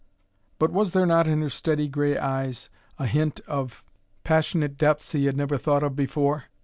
But was there not in her steady gray eyes a hint of passionate depths he had never thought of before?